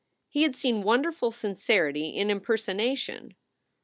He had seen wonderful sincerity in imperson ation.